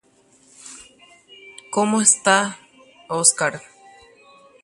Mba'éichapa Óscar.